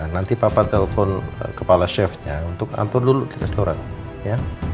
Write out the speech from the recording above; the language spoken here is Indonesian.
nanti papa telpon kepala chefnya untuk atur dulu di restoran ya